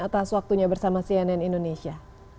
atas waktunya bersama cnn indonesia